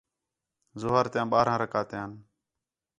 ظُہر تیاں ٻارھاں رکعتیان